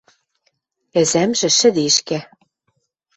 Ӹзӓмжӹ шӹдешкӓ.